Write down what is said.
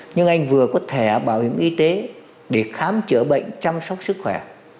nhưng anh vừa có thẻ bảo hiểm y tế để khám chữa bệnh chăm sóc sức khỏe